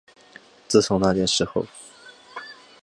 自从那事件后